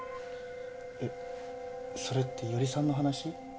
えっそれって伊織さんの話？